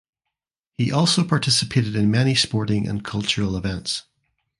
He also participated in many sporting and cultural events.